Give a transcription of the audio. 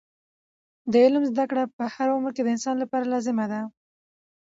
د علم زده کړه په هر عمر کې د انسان لپاره لازمه ده.